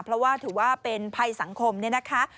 เพราะว่าถือว่าเป็นภัยสังคมเนี่ยนะคะ